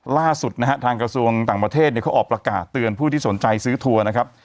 ล่าสุดนะฮะทางกระทรวงต่างประเทศเนี่ยเขาออกประกาศเตือนผู้ที่สนใจซื้อทัวร์นะครับ